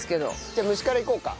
じゃあ蒸しからいこうか。